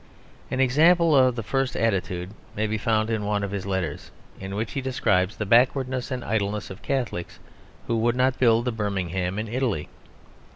An example of the first attitude may be found in one of his letters, in which he describes the backwardness and idleness of Catholics who would not build a Birmingham in Italy.